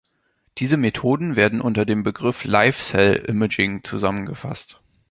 Diese Methoden werden unter dem Begriff "Live Cell Imaging" zusammengefasst.